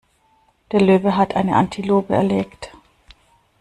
Der Löwe hat eine Antilope erlegt.